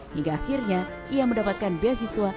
hingga akhirnya ia mendapatkan beasiswa